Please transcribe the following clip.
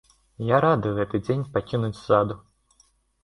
Я рады гэты дзень пакінуць ззаду.